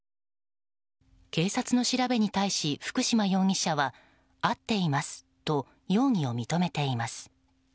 警察の調べに対し、福島容疑者は合っていますと容疑を認めています。